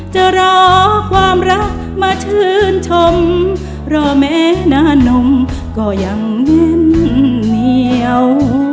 จะรอความรักมาชื่นชมรอแม้นานมก็ยังยิ้มเหนียว